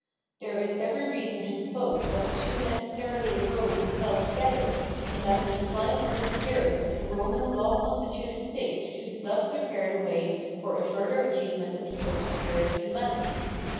There is every reason to suppose that the two necessarily arose and fell together, and that the decline and disappearance of the Roman law constituted state should thus prepare the way for a further achievement of the social spirit of humanity.